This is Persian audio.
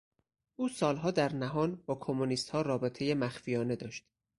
او سالها در نهان با کمونیستها رابطه مخفیانه داشت.